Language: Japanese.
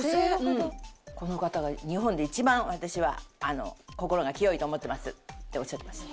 「この方が日本で一番私は心が清いと思ってます」っておっしゃってました。